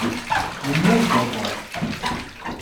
Yemmal-d aẓar.